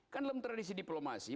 kan dalam tradisi diplomasi